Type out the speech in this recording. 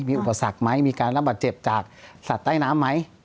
มีอุปสรรคไหมมีการรับบาดเจ็บจากสัตว์ใต้น้ำไหม